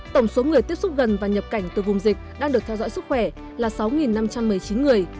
tổng số người tiếp xúc gần và nhập cảnh từ vùng dịch đang được theo dõi sức khỏe là sáu năm trăm một mươi chín người